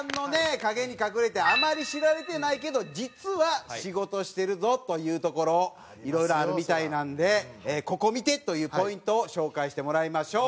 陰に隠れてあまり知られてないけど実は仕事してるぞというところいろいろあるみたいなんでここ見て！というポイントを紹介してもらいましょう。